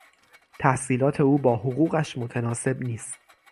تحصیلات او با حقوقش متناسب نیست.